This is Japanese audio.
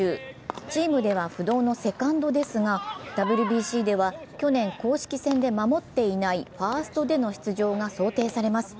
チームでは不動のセカンドですが、ＷＢＣでは去年、公式戦で守っていないファーストでの出場が想定されます。